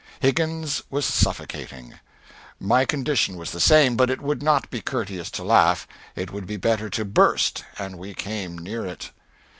Higgins was suffocating. My condition was the same, but it would not be courteous to laugh; it would be better to burst, and we came near it.